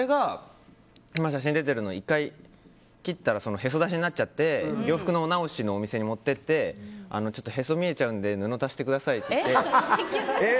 今、写真出てるのは１回切ったらへそ出しになっちゃって洋服のお直しのお店に持っていってちょっとへそが見えちゃうんで布を足してくださいって言って。